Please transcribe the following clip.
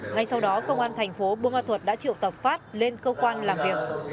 ngay sau đó công an thành phố bô ma thuật đã triệu tập phát lên cơ quan làm việc